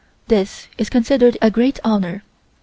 This is considered a great honor.